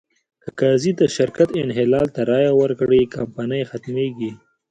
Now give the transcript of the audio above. که قاضي د شرکت انحلال ته رایه ورکړي، کمپنۍ ختمېږي.